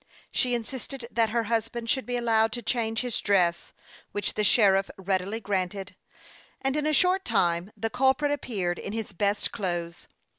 She insisted that her hus band should be allowed to change his dress, which the sheriff readily granted ; and in a short time the culprit appeared in his best clothes.